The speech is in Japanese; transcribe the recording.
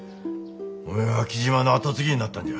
おめえは雉真の後継ぎになったんじゃ。